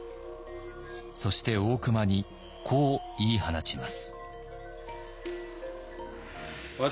そして大隈にこう言い放ちます。